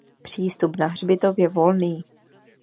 Přístup na hřbitov je volný.